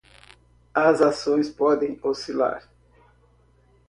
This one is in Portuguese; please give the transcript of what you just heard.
As ações podem oscilar